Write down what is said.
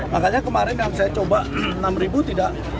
makanya kemarin yang saya coba enam rupiah